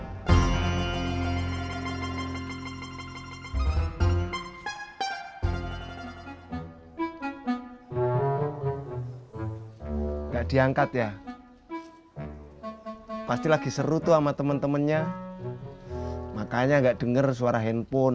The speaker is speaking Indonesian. enggak diangkat ya pasti lagi seru tuh sama teman temannya makanya nggak dengar suara handphone